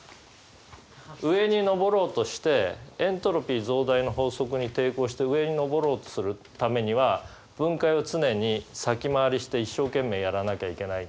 上に上ろうとしてエントロピー増大の法則に抵抗して上に上ろうとするためには分解を常に先回りして一生懸命やらなきゃいけない。